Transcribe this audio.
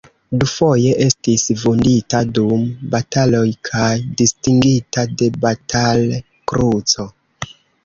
Dufoje estis vundita dum bataloj kaj distingita de Batal-Kruco.